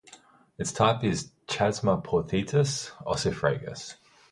Its type is "Chasmaporthetes ossifragus".